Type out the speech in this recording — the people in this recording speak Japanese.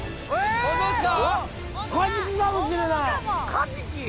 カジキ？